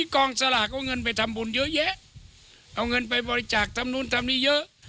กองสลากเอาเงินไปทำบุญเยอะแยะเอาเงินไปบริจาคทำนู่นทำนี่เยอะ